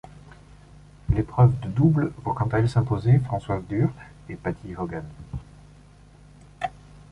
L'épreuve de double voit quant à elle s'imposer Françoise Dürr et Patti Hogan.